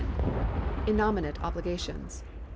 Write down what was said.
Innominate Obligations.